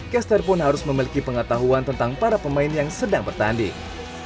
caster pun harus memiliki pengetahuan tentang para pemain yang sedang bertanding